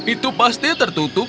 itu pasti tertutup